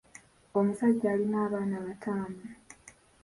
Omusajja alina abaana bataano.